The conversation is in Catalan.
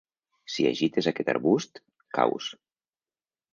Si agites aquest arbust, caus.